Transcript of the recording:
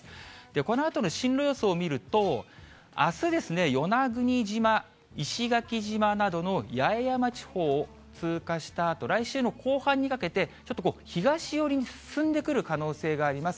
このあとの進路予想を見ると、あす、与那国島、石垣島などの八重山地方を通過したあと、来週の後半にかけて、ちょっと東寄りに進んでくる可能性があります。